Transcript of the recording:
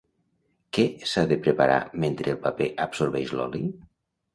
Què s'ha de preparar mentre el paper absorbeix l'oli?